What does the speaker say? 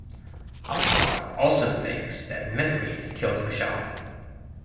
Aswad also thinks that Mehreen killed Mashal.